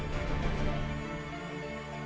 perjalanan ke wilayah sawang